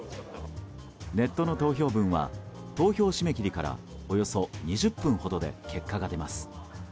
ネットの投票分は投票締め切りからおよそ２０分ほどで結果が出ます。